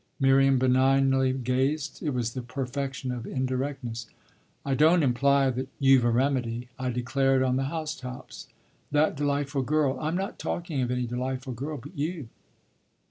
Miriam benignly gazed it was the perfection of indirectness. "I don't 'imply' that you've a remedy. I declare it on the house tops. That delightful girl " "I'm not talking of any delightful girl but you!"